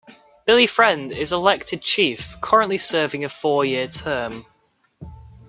Billy Friend is the elected Chief, currently serving a four-year term.